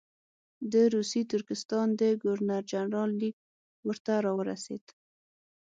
د روسي ترکستان د ګورنر جنرال لیک ورته راورسېد.